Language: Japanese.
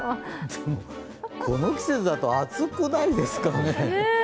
この季節だと暑くないですかね？